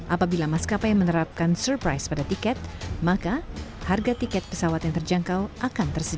apabila maskapai menerapkan surprise pada tiket maka harga tiket pesawat yang terjangkau akan tersedia